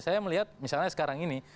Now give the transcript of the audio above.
saya melihat misalnya sekarang ini